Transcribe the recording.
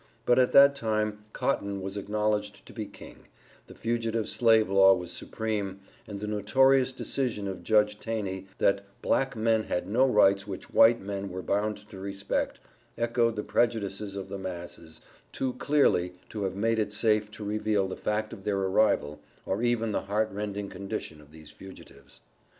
But at that time cotton was acknowledged to be King the Fugitive Slave Law was supreme, and the notorious decision of Judge Taney, that "black men had no rights which white men were bound to respect," echoed the prejudices of the masses too clearly to have made it safe to reveal the fact of their arrival, or even the heart rending condition of these Fugitives.